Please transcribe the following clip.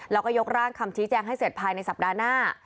แล้วก็ยกร่างคำชี้แจงให้เสร็จภายในสัปดาห์หน้า